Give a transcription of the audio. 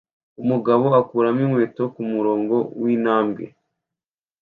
Umugabo akuramo inkweto kumurongo wintambwe